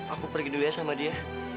aku pergi dulu ya sama dia